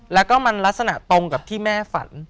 แล้วก็มันลักษณะตรงกับที่แม่ฝัน